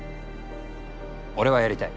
俺はやりたい。